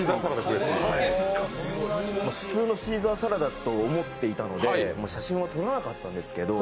普通のシーザーサラダと思っていたので写真は撮らなかったんですけど